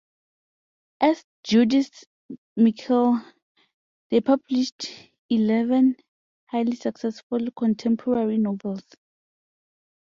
As Judith Michael, they published eleven highly successful contemporary novels.